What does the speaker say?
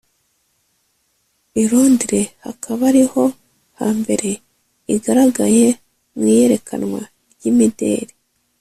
i Londres hakaba ariho ha mbere igaragaye mu iyerekanwa ry’imideri